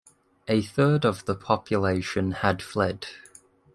A third of the population had fled.